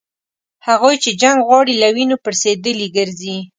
هغوی چي جنګ غواړي له وینو پړسېدلي ګرځي